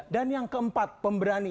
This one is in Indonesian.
dan yang keempat pemberani